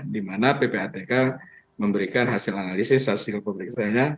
di mana ppatk memberikan hasil analisis hasil pemeriksaannya